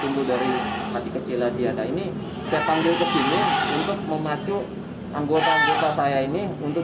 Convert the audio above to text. tumbuh dari masih kecil lagi ada ini saya panggil ke sini untuk memacu anggota anggota saya ini untuk